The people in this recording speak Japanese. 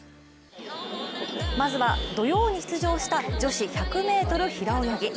まずは土曜に出場した女子１００ｍ平泳ぎ。